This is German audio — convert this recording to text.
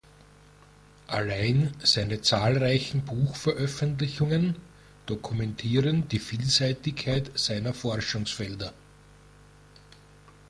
Allein seine zahlreichen Buchveröffentlichungen dokumentieren die Vielseitigkeit seiner Forschungsfelder.